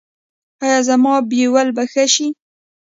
ایا زما بویول به ښه شي؟